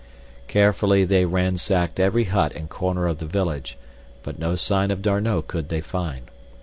Carefully they ransacked every hut and corner of the village, but no sign of D'Arnot could they find.